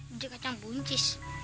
biji kacang buncis